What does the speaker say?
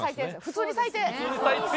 普通に最低。